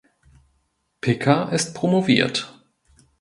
Picker ist promoviert.